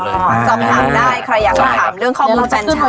สำหรับใครอยากถามเรื่องข้อมูลแฟนชาย